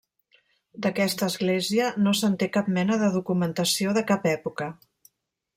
D'aquesta església, no se'n té cap mena de documentació, de cap època.